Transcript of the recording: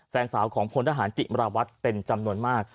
แฟนสาวของพลทหารจิมราวัตรเป็นจำนวนมาก